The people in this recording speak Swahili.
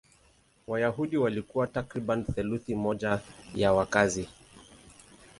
Wayahudi walikuwa takriban theluthi moja ya wakazi.